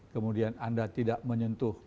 kemudian anda tidak menyentuh